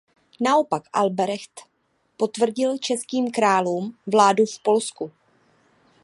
Naopak Albrecht potvrdil českým králům vládu v Polsku.